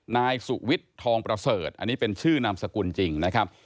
นายสุวิทย์ทองประเสริฐอันนี้เป็นชื่อนามสกุลจริงนะครับ